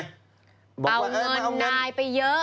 เอาเงินนายไปเยอะ